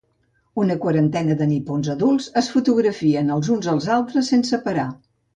Una quarantena de nipons adults es fotografien els uns als altres sense parar.